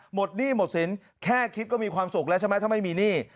หนี้หมดสินแค่คิดก็มีความสุขแล้วใช่ไหมถ้าไม่มีหนี้